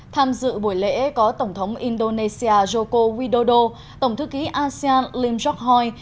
tham dự buổi lễ có tổng thống indonesia joko widodo tổng thư ký asean lim jokhoi